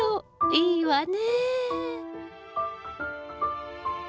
いいわね。